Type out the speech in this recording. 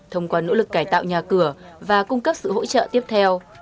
thông qua nỗ lực cải tạo nhà cửa và cung cấp sự hỗ trợ tiếp theo